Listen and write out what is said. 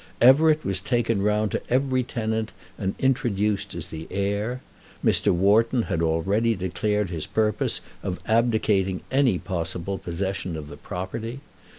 Everett was taken round to every tenant and introduced as the heir. Mr. Wharton had already declared his purpose of abdicating any possible possession of the property.